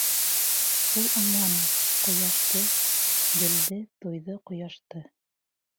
Ул аңланы ҡояшты, белде, тойҙо ҡояшты.